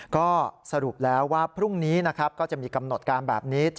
ก็สรุปแล้วว่าพรุ่งนี้นะครับก็จะมีกำหนดการแบบนี้